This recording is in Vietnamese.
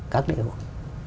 các lễ hội